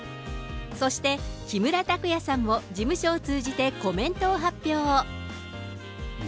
そして、木村拓哉さんも事務所を通じて、コメントを発表。